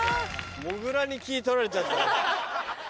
もぐらに気ぃ取られちゃった。